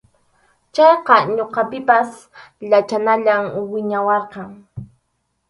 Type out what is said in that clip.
Chayqa ñuqapipas yachanayay wiñawarqan.